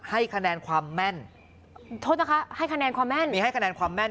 ให้คะแนนความแม่นโทษนะคะให้คะแนนความแม่นมีให้คะแนนความแม่น